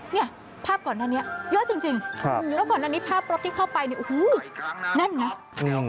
เนี่ยภาพก่อนหน้านี้เยอะจริงแล้วก่อนอันนี้ภาพรถที่เข้าไปเนี่ยโอ้โหแน่นนะ